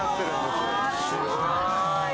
すごーい！